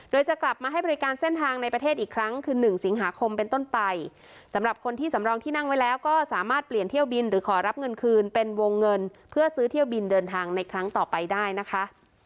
โดยจะกลับมาให้บริการเส้นทางในประเทศอีกครั้งคือ๑สิงหาคมเป็นต้นไปสำหรับคนที่สำรองที่นั่งไว้แล้วก็สามารถเปลี่ยนเที่ยวบินหรือขอรับเงินคืนเป็นวงเงินเพื่อซื้อเที่ยวบินเดินทางในครั้งต่อไปได้นะคะ